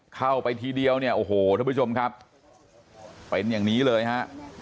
เข้าไปทีเดียวเนี่ยโอ้โหทุกผู้ชมครับเป็นอย่างนี้เลยฮะ